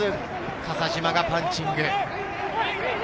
笠島がパンチング。